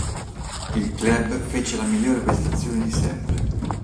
Il club fece la miglior prestazione di sempre.